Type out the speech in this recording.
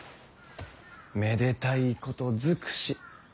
めでたいこと尽くし。